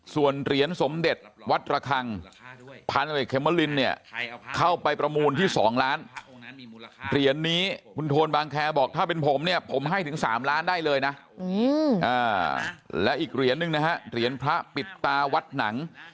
ส่วนเหรียญสมเด็จวัดระคังพาณเวกเขมรินเนี่ยเข้าไปประมูลที่๒ล้านเหรียญนี้คุณโทนบางแคร์บอกถ้าเป็นผมเนี่ยผมให้ถึง๓ล้านได้เลยนะ